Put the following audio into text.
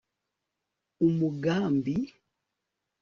umugambi